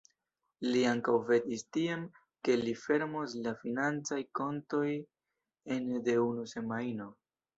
Li ankaŭ vetis tiam, ke li fermos la financajn kontojn ene de unu semajno.